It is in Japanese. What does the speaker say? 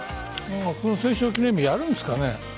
この戦勝記念日やるんですかね？